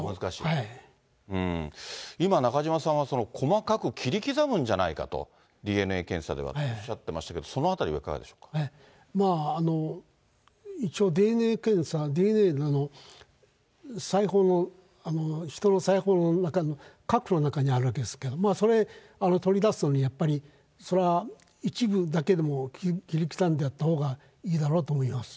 今、中島さんは細かく切り刻むんじゃないかと、ＤＮＡ検査ではとおっしゃってましたけど、そのあたりはいかがで一応、ＤＮＡ検査、ＤＮＡの人の細胞の中の核の中にあるわけですけど、それ取り出すのに、やっぱり、それは一部だけよりも、切り刻んだほうがいいだろうと思います。